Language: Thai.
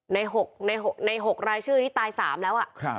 ในหกรายชื่อที่ตายสามแล้วอะ